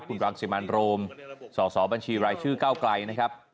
ผมมีผู้ผิดตอบมากกว่าผู้สมบัติในครั้งนี้นะครับ